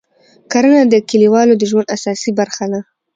کرنه د کلیوالو د ژوند اساسي برخه ده